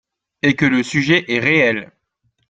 et que le sujet est réel.